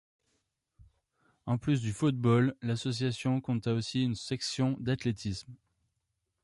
En plus du football, l’association compta aussi une section d’Athlétisme.